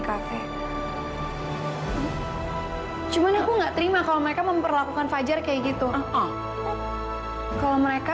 cafe cuman aku enggak terima kalau mereka memperlakukan fajar kayak gitu kalau mereka